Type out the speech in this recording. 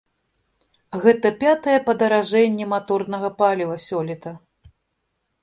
Гэта пятае падаражэнне маторнага паліва сёлета.